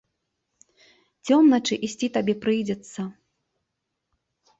Цёмначы ісці табе прыйдзецца.